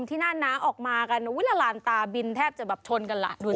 หน้าน้าออกมากันอุ๊ยละลานตาบินแทบจะแบบชนกันแหละ